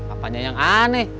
apanya yang aneh